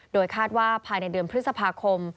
โดยคาดว่าภายในเดือนพฤษภาคม